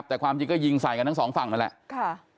แต่ความจริงก็ยิงใส่กันทั้งสองฝั่งมาแล้ว